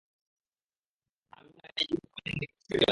আমি ও উম্মে আইয়ূব পানির নিকট ছুটে গেলাম।